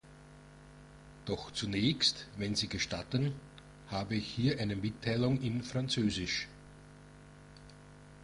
Doch zunächst, wenn Sie gestatten, habe ich hier eine Mitteilung in Französisch.